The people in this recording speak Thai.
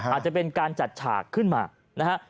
อาจจะเป็นการจัดฉากขึ้นมานะฮะ